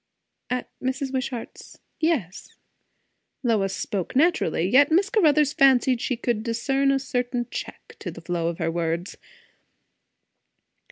"At Mrs. Wishart's yes." Lois spoke naturally, yet Miss Caruthers fancied she could discern a certain check to the flow of her words.